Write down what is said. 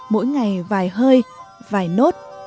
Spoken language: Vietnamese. mỗi ngày vài hơi vài nốt